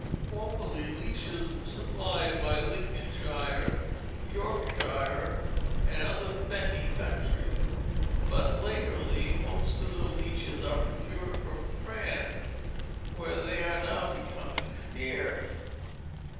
Formerly leeches were supplied by Lincolnshire, Yorkshire, and other fenny countries, but latterly most of the leeches are procured from France, where they are now becoming scarce.